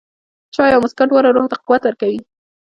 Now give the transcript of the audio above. چای او موسکا، دواړه روح ته قوت ورکوي.